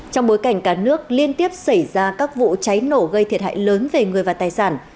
trong bối cảnh cả nước liên tiếp xảy ra các vụ cháy nổ gây thiệt hại lớn về người và tài sản